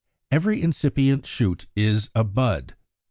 Every incipient shoot is a Bud (12).